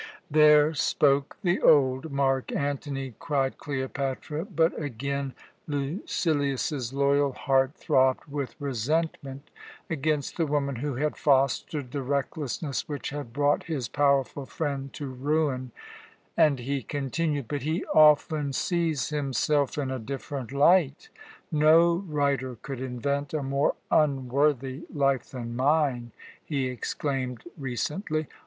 '" "There spoke the old Mark Antony!" cried Cleopatra; but again Lucilius's loyal heart throbbed with resentment against the woman who had fostered the recklessness which had brought his powerful friend to ruin, and he continued: "But he often sees himself in a different light. 'No writer could invent a more unworthy life than mine,' he exclaimed recently.